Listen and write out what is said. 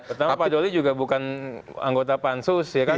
pertama pak doli juga bukan anggota pansus ya kan